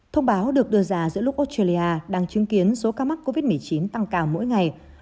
thông báo được đưa ra giữa lúc australia đang chứng kiến số ca mắc covid một mươi chín tăng cao mỗi ngày